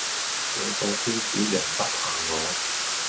這個圈子容不下我